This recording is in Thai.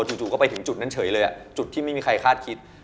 จู่ก็ไปถึงจุดนั้นเฉยเลยจุดที่ไม่มีใครคาดคิด